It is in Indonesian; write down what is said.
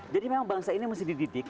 jadi memang bangsa ini harus dididik